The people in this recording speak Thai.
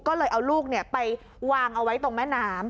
ก็เลยเอาลูกไปวางเอาไว้ตรงแม่น้ำ